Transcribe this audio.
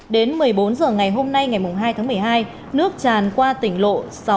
đến một mươi bốn h ngày hôm nay ngày hai tháng một mươi hai nước tràn qua tỉnh lộ sáu mươi